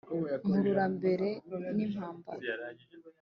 mpurura mbere n'impambara